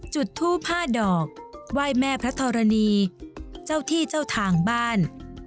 จุดทูบ๕ดอกไหว้แม่พระธรณีเจ้าที่เจ้าทางบ้าน